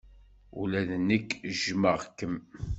Ula d nekk jjmeɣ-kem.